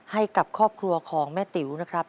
ให้กับครอบครัวของแม่ติ๋วนะครับ